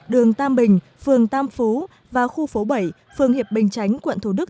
đường tam bình phường tam phú và khu phố bảy phường hiệp bình chánh quận thủ đức